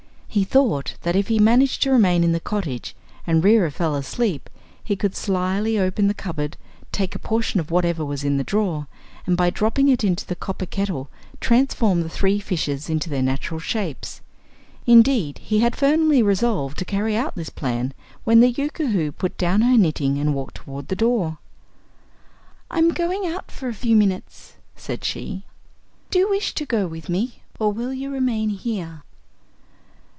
He thought that if he managed to remain in the cottage, and Reera fell asleep, he could slyly open the cupboard, take a portion of whatever was in the drawer, and by dropping it into the copper kettle transform the three fishes into their natural shapes. Indeed, he had firmly resolved to carry out this plan when the Yookoohoo put down her knitting and walked toward the door. "I'm going out for a few minutes," said she; "do you wish to go with me, or will you remain here?"